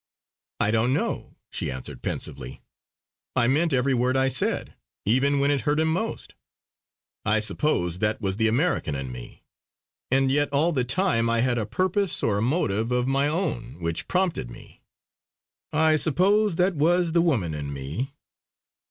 "I don't know" she answered pensively, "I meant every word I said, even when it hurt him most. I suppose that was the American in me. And yet all the time I had a purpose or a motive of my own which prompted me. I suppose that was the woman in me."